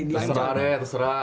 terserah deh terserah